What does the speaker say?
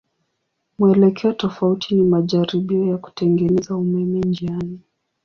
Mwelekeo tofauti ni majaribio ya kutengeneza umeme njiani.